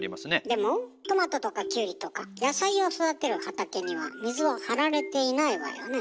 でもトマトとかキュウリとか野菜を育てる畑には水は張られていないわよね？